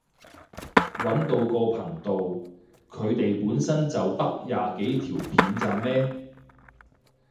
搵到個頻道，佢哋本身就得廿幾條片咋咩？